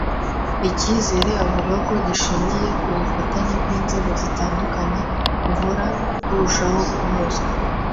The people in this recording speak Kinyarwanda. icyizere avuga ko gishingiye ku bufatanye bw’inzego zitandukanye buhora burushaho kunozwa